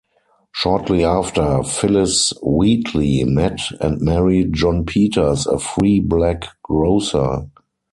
Shortly after, Phillis Wheatley met and married John Peters, a free black grocer.